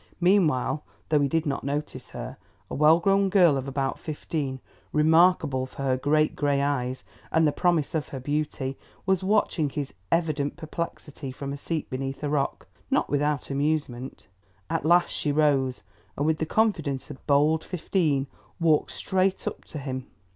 Meanwhile, though he did not notice her, a well grown girl of about fifteen, remarkable for her great grey eyes and the promise of her beauty, was watching his evident perplexity from a seat beneath a rock, not without amusement. At last she rose, and, with the confidence of bold fifteen, walked straight up to him.